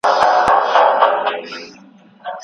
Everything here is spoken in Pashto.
باورونه په ټولنیز رفتار کې مهم دي.